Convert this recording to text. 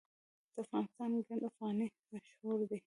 د افغانستان ګنډ افغاني مشهور دی